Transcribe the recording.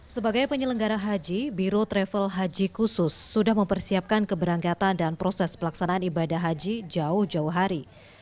sebagai penyelenggara haji biro travel haji khusus sudah mempersiapkan keberangkatan dan proses pelaksanaan ibadah haji jauh jauh hari